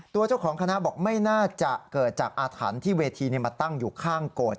ตัวเจ้าของคณะบอกไม่น่าจะเกิดจากอาถรรพ์ที่เวทีมาตั้งอยู่ข้างโกรธ